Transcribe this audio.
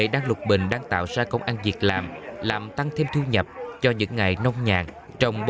đang lục bình đang tạo ra công an việc làm làm tăng thêm thu nhập cho những ngày nông nhàn trong